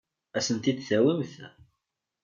Ad asen-tent-id-tawimt?